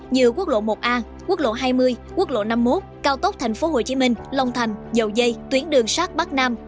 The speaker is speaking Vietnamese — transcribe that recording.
như quốc lộ một a quốc lộ hai mươi quốc lộ năm mươi một cao tốc thành phố hồ chí minh long thành dầu dây tuyến đường sát bắc nam